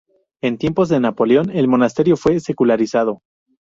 En tiempos de Napoleón el monasterio fue secularizado.